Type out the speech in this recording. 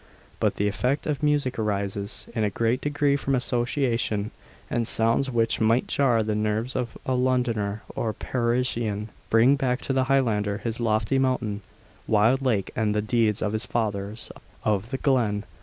But the effect of music arises, in a great degree, from association; and sounds which might jar the nerves of a Londoner or Parisian, bring back to the Highlander his lofty mountain, wild lake, and the deeds of his fathers of the glen.